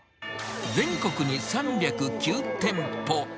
全国に３０９店舗。